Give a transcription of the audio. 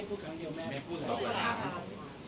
คนรอบตัวขวัดไม่ได้